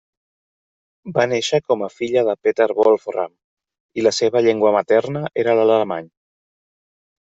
Va néixer com a filla de Peter Wolfram, i la seva llengua materna era l'alemany.